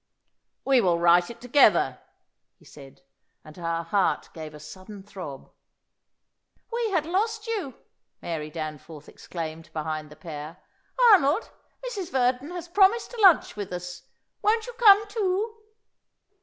"We will write it together," he said; and her heart gave a sudden throb. "We had lost you!" Mary Danforth exclaimed behind the pair. "Arnold, Mrs. Verdon has promised to lunch with us; won't you come too?"